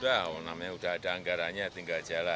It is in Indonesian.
udah udah udah namanya udah ada anggarannya tinggal jalan